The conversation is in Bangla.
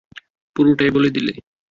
পুরোটাই বলে দিলে?